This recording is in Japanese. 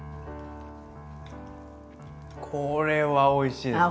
これはおいしいです。